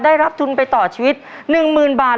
ได้รับทุนไปต่อชีวิต๑๐๐๐บาท